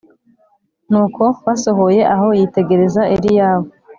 Nuko basohoye aho yitegereza Eliyabu